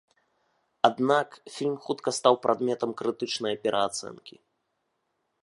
Аднак, фільм хутка стаў прадметам крытычнае пераацэнкі.